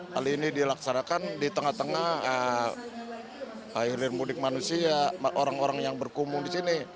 hal ini dilaksanakan di tengah tengah airlir mudik manusia orang orang yang berkumung di sini